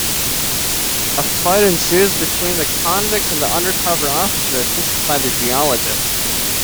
A fight ensues between the convicts and the undercover officer, assisted by the geologist.